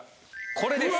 これです。